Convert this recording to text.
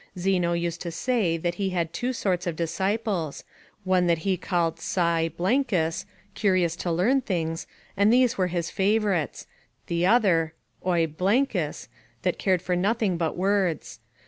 Zeno used to say that he had two sorts of disciples, one that he called cy ous, curious to learn things, and these were his favourites; the other, aoy ous, that cared for nothing but words.